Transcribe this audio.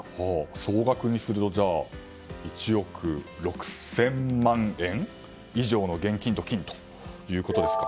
総額にすると１億６０００万円以上の現金と金ということですか。